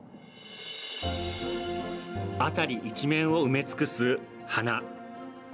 あたり一面を埋め尽くす花。